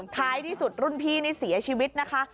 ท้ายที่สุดรุ่นพี่นี่เสียชีวิตนะคะ